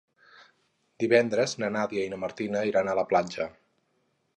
Divendres na Nàdia i na Martina iran a la platja.